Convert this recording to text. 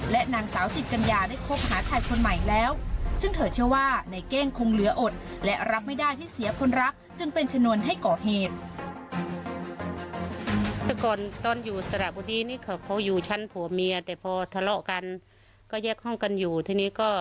และนางสาวจิตกัญญาได้คบหาถ่ายคนใหม่แล้ว